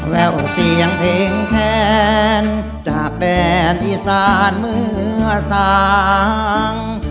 แววเสียงเพลงแค้นจากแดนอีสานเมื่อสาง